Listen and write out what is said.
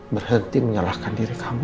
berhenti menyalahkan diri kamu